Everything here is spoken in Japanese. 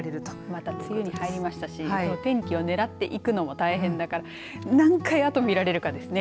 また梅雨に入りましたし天気をねらっていくのも大変だから何回あと見られるかですね。